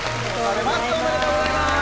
おめでとうございます。